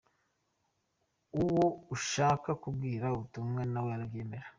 Uwo ushaka kubwira ubutumwa nawe arabyemera.